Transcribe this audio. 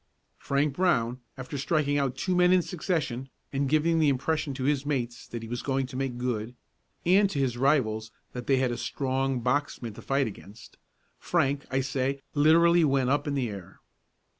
Frank Brown, after striking out two men in succession, and giving the impression to his mates that he was going to make good, and to his rivals that they had a strong boxman to fight against Frank, I say, literally went up in the air.